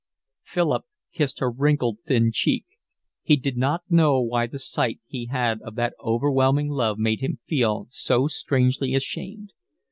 Philip kissed her wrinkled, thin cheek. He did not know why the sight he had of that overwhelming love made him feel strangely ashamed.